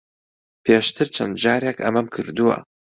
پێشتر چەند جارێک ئەمەم کردووە.